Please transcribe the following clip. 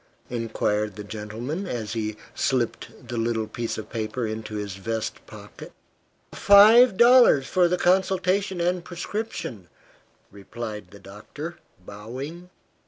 inquired the gentleman, as he slipped the little piece of paper into his vest pocket. "Five dollars for the consultation and prescription," replied the doctor, bowing.